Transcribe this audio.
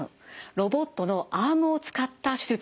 ロボットのアームを使った手術です。